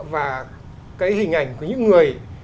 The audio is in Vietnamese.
và cái hình ảnh của những người